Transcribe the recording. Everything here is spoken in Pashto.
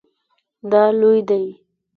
دا لوی دی